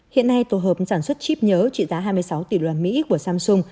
hiện nay tổ hợp sản xuất chip nhớ trị giá hai mươi sáu tỷ đoàn mỹ của samsung